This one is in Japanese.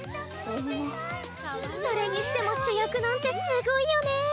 それにしても主役なんてすごいよね！